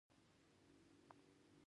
ایا زه باید ماشوم ته د اسهال درمل ورکړم؟